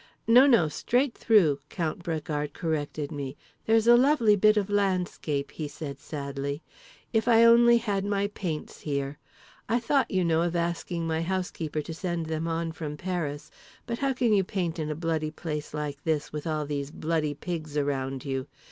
"No, no, straight through," Count Bragard corrected me. "There's a lovely bit of landscape," he said sadly. "If I only had my paints here. I thought, you know, of asking my housekeeper to send them on from Paris—but how can you paint in a bloody place like this with all these bloody pigs around you?